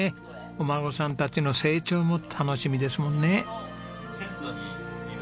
お孫さんたちの成長も楽しみですもんね。